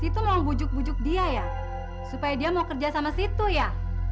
itu long bujuk bujuk dia ya supaya dia mau kerja sama situ ya